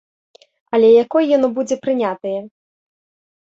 Але якое яно будзе прынятае?